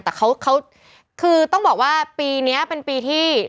แต่เขาคือต้องบอกว่าปีนี้เป็นปีที่